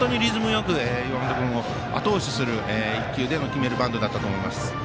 よく岩本君をあと押しする、１球で決めるバントだったと思います。